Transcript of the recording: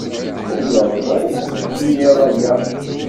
Lliɣ ẓriɣ ad d-tiniḍ aya.